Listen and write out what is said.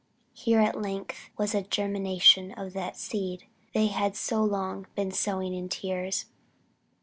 Here at length was a germination of that seed they had so long been sowing in tears!